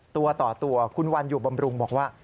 ตัวต่อตัวคุณวันอยู่บำรุงบอกว่า